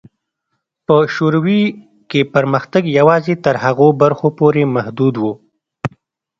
په شوروي کې پرمختګ یوازې تر هغو برخو پورې محدود و.